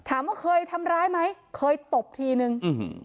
ถามว่าเคยทำร้ายไหมเคยตบทีหนึ่งอืม